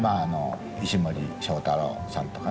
石森章太郎さんとかね